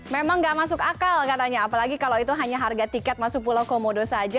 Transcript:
memang nggak masuk akal katanya apalagi kalau itu hanya harga tiket masuk pulau komodo saja